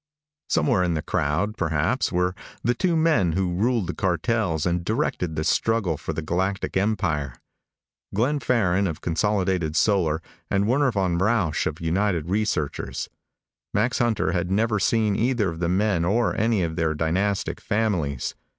Somewhere in the crowd, perhaps, were the two men who ruled the cartels and directed the struggle for the Galactic empire. Glenn Farren of Consolidated Solar and Werner von Rausch of United Researchers. Max Hunter had never seen either of the men or any of their dynastic families.